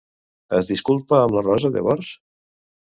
Es disculpa amb la Rosa llavors?